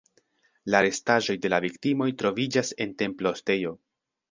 La restaĵoj de la viktimoj troviĝas en templo-ostejo.